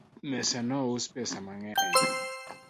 Mesa nousi pesa mang'eny